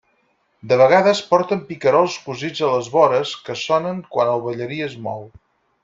De vegades porten picarols cosits a les vores, que sonen quan el ballarí es mou.